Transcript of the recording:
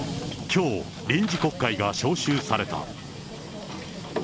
きょう、臨時国会が召集された。